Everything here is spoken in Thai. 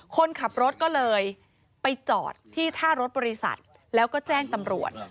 คนขับรถก็เลยไปจอดที่ท่ารถบริษัทแล้วก็แจ้งตำรวจ